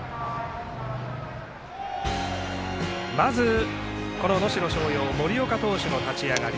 まず能代松陽森岡投手の立ち上がり。